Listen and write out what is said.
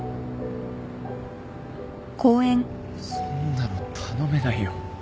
そんなの頼めないよ